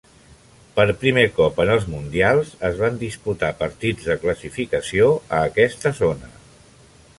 Per primer cop en els Mundials es van disputar partits de classificació a aquesta zona.